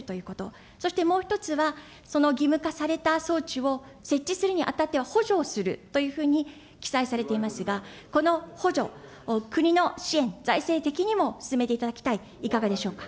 １つは安全装置を義務化するということ、そしてもう一つは、その義務化された装置を設置するにあたっては補助をするというふうに記載されていますが、この補助を国の支援、財政的にも進めていただきたい、いかがでしょうか。